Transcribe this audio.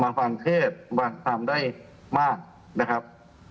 มาฟังเททสำคัญได้มากนะครับ